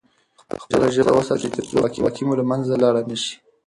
خپله ژبه وساتئ ترڅو خپلواکي مو له منځه لاړ نه سي.